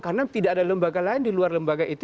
karena tidak ada lembaga lain di luar lembaga itu